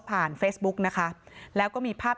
เฟซบุ๊กนะคะแล้วก็มีภาพ